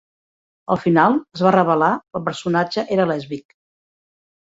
Al final, es va revelar que el personatge era lèsbic.